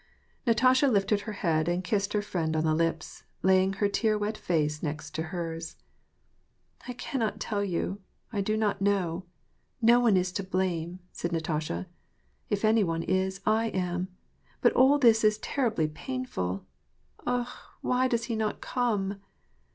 Natasha lifted her head and kissed her friend on the lips, laying her tear wet face next hers. " I cannot tell you. I do not know. — No one is to blame," said Natasha. " If any one is, I am. But all this is terribly painful. Akh ! why does he not come